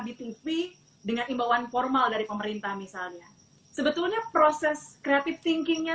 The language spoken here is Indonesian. di tv dengan imbauan formal dari pemerintah misalnya sebetulnya proses creative thinkingnya